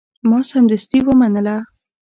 ما سمدستي ومنله.